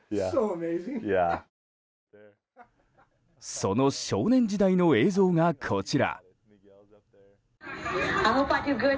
その少年時代の映像がこちら。